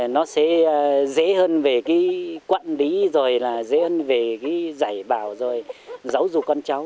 nó sẽ dễ hơn về cái quận lý rồi là dễ hơn về cái giải bào rồi giấu dù con cháu